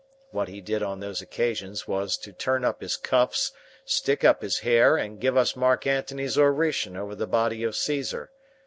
What he did on those occasions was to turn up his cuffs, stick up his hair, and give us Mark Antony's oration over the body of Caesar.